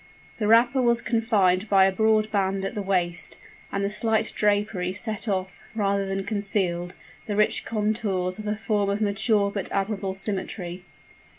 The wrapper was confined by a broad band at the waist; and the slight drapery set off, rather than concealed, the rich contours of a form of mature but admirable symmetry.